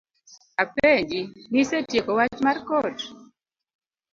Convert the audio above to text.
Apenji, nisetieko wach mar kot?